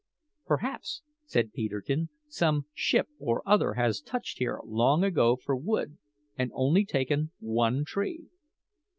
"Perhaps," said Peterkin, "some ship or other has touched here long ago for wood, and only taken one tree."